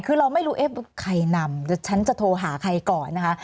คือเราไม่รู้เอ๊ะใครนำฉันจะโทรหาใครก่อนนะคะ